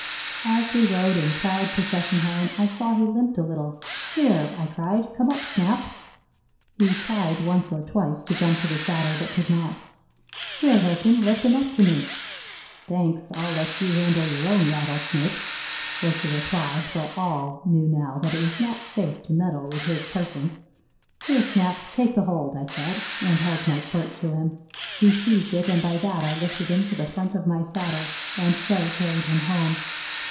As we rode in proud procession home, I saw he limped a little. "Here," I cried, "come up, Snap." He tried once or twice to jump to the saddle, but could not. "Here, Hilton, lift him up to me." "Thanks; I'll let you handle your own rattlesnakes," was the reply, for all knew now that it was not safe to meddle with his person. "Here, Snap, take hold," I said, and held my quirt to him. He seized it, and by that I lifted him to the front of my saddle and so carried him home.